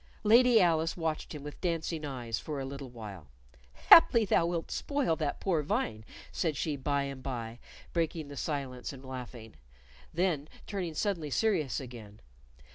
Lady Alice watched him with dancing eyes for a little while. "Haply thou wilt spoil that poor vine," said she by and by, breaking the silence and laughing, then turning suddenly serious again.